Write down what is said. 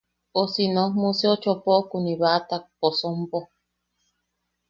O si no Museo Chopokuni baʼatak posompo.